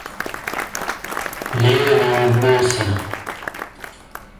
Левин улыбнулся.